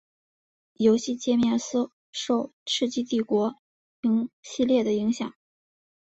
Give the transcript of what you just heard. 游戏介面似受世纪帝国系列的影响。